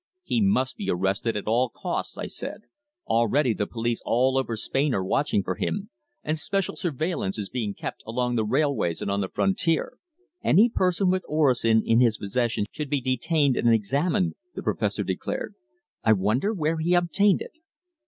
"He must be arrested at all costs," I said. "Already the police all over Spain are watching for him, and special surveillance is being kept along all the railways and on the frontier." "Any person with orosin in his possession should be detained and examined," the Professor declared. "I wonder where he obtained it?"